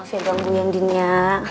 maaf ya bangun yang dini ya